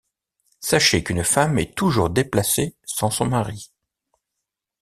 Sachez qu’une femme est toujours déplacée sans son mari.